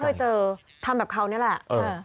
คุณที่ฉันเคยเจอทำแบบเขานี่แหละ